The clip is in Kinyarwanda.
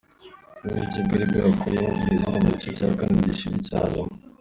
Ububiligi bwari bwakuyemwo Brezil mu gice ca kane gishira ica nyuma.